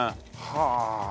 はあ。